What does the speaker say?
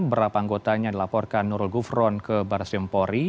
berapa anggotanya dilaporkan nurul gufron ke baris empori